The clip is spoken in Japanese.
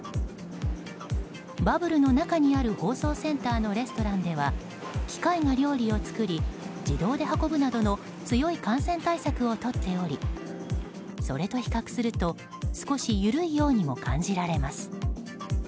バブルの中にある放送センターのレストランでは機械が料理を作り自動で運ぶなどの強い感染対策をとっておりそれと比較すると少し緩いようにも感じられます。